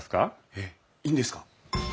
えっいいんですか？